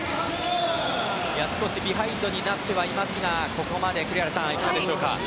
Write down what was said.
少しビハインドにはなってますが栗原さん、いかがでしょうか。